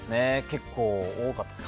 結構多かったです。